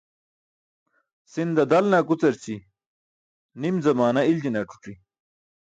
Sinda dalne akucarći, nim zamaana iljine ac̣uc̣i.